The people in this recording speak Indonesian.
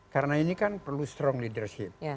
karena ini kan perlu strong leadership